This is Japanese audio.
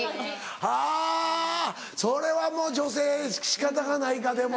はぁそれはもう女性仕方がないかでも。